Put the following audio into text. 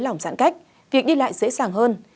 lỏng giãn cách việc đi lại dễ dàng hơn